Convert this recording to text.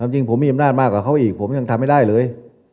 จริงผมมีอำนาจมากกว่าเขาอีกผมยังทำไม่ได้เลย